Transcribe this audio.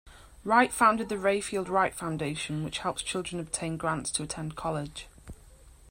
Wright founded the Rayfield Wright Foundation, which helps children obtain grants to attend college.